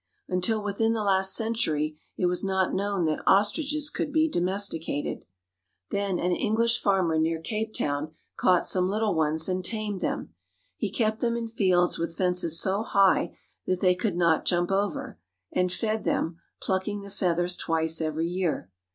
Until within the last century it was not known that ostriches could be domesticated. Then an English farmer near Cape Town caught some little ones and tamed them. He kept them in fields with fences so high that they could not jump over, and fed them, plucking the feathers twice every year.